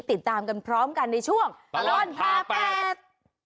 ติดตามกันพร้อมกันในช่วงประวัติภาพแปด